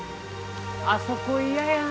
あそこ嫌やな。